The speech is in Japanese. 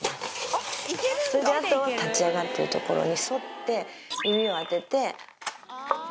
それであとは立ち上がってる所に沿って指を当てて。